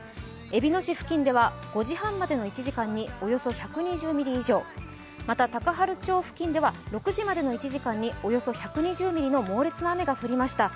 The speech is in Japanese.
えびの市付近では５時半までの１時間におよそ１２０ミリ以上、また、高原町付近では６時までの１時間に１２０ミリ近くの猛烈な雨が降りました。